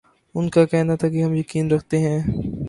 ان کا کہنا تھا کہ ہم یقین رکھتے ہیں